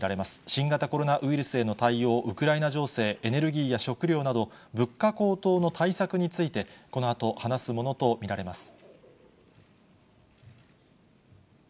新型コロナウイルスへの対応、ウクライナ情勢、エネルギーや食糧など、物価高騰の対策について、このあと話すものと見られます。